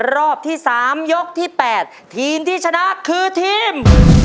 รอบที่๓ยกที่๘ทีมที่ชนะคือทีม